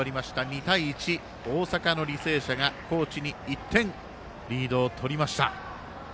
２対１、大阪の履正社が高知に１点リードを取りました。